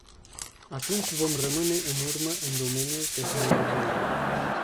Atunci vom rămâne în urmă în domeniul tehnologiei.